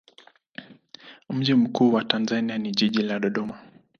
Mji mkuu wa Tanzania ni jiji la Dodoma.